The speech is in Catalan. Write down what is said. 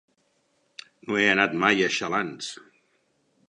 No he anat mai a Xalans.